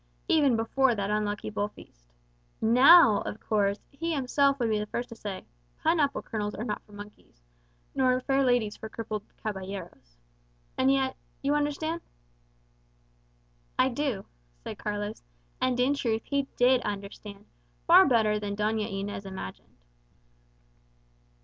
Even before that unlucky bull feast. Now, of course, he himself would be the first to say, 'Pine apple kernels are not for monkeys,' nor fair ladies for crippled caballeros. And yet you understand?" "I do," said Carlos; and in truth he did understand, far better than Doña Inez imagined.